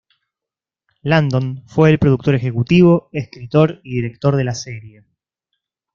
Landon fue el productor ejecutivo, escritor y director de la serie.